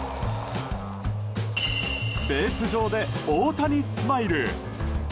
ベース上で大谷スマイル。